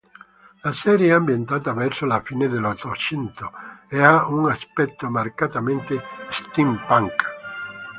La serie è ambientata verso la fine dell'Ottocento e ha un aspetto marcatamente steampunk.